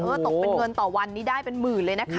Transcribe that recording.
ตกเป็นเงินต่อวันนี้ได้เป็นหมื่นเลยนะคะ